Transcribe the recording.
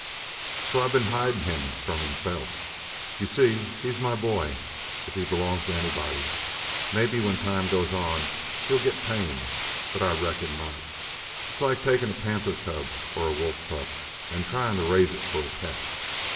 So I've been hidin' him from himself. You see, he's my boy if he belongs to anybody. Maybe when time goes on he'll get tame. But I reckon not. It's like takin' a panther cub or a wolf pup an tryin' to raise it for a pet.